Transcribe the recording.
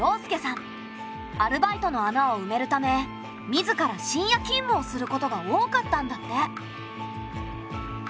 アルバイトの穴をうめるため自ら深夜勤務をすることが多かったんだって。